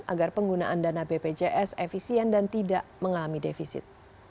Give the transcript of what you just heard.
agar penggunaan dana bpjs efisien dan tidak mengalami defisit